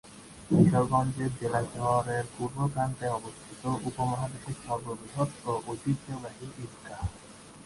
কিশোরগঞ্জ জেলা শহরের পূর্ব প্রান্তে অবস্থিত উপমহাদেশের সর্ববৃহৎ ও ঐতিহ্যবাহী ঈদগাহ।